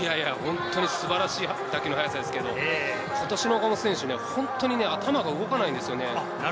本当に素晴らしい打球の速さですけど、今年の岡本選手、本当に頭が動かないんですよね。